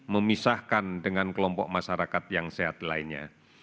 memisahkan dengan kelompok masyarakat yang sehat lainnya